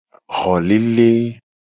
Xolele.